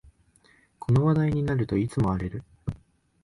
この話題になるといつも荒れる